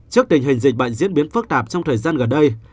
trước tình hình dịch bệnh diễn biến phức tạp trong thời gian gần đây